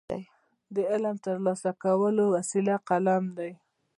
د علم ترلاسه کولو وسیله قلم دی.